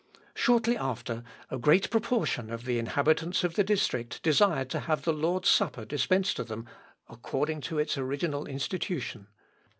Shortly after, a great proportion of the inhabitants of the district desired to have the Lord's Supper dispensed to them according to its original institution.